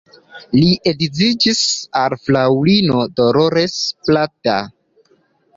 Li edziĝis al fraŭlino Dolores Plata.